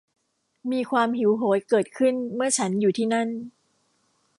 มีความหิวโหยเกิดขึ้นเมื่อฉันอยู่ที่นั่น